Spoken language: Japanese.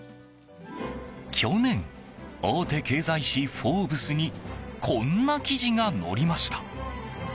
去年大手経済誌「フォーブス」にこんな記事が載りました。